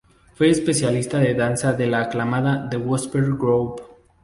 Fue especialista en danza de la aclamada The Wooster Group.